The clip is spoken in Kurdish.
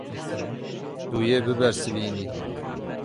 Tu yê bibersivînî.